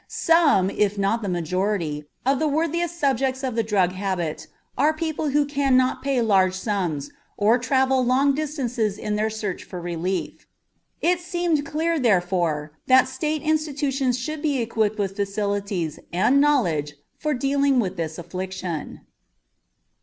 Some, if not the majority, of the worthiest subjects of the drug habit are people who cannot pay large sums or travel long distances in their search for relief. It seemed clear, therefore, that state institutions should be equipped with facilities and knowledge for dealing with this affliction.